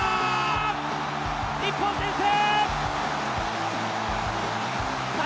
日本先制！